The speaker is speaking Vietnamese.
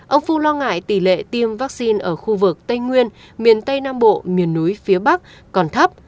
ông phu lo ngại tỷ lệ tiêm vaccine ở khu vực tây nguyên miền tây nam bộ miền núi phía bắc còn thấp